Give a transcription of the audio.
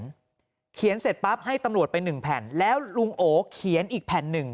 เขียนเสร็จปั๊บให้ตำรวจไปหนึ่งแผ่นแล้วลุงโอเขียนอีกแผ่นหนึ่ง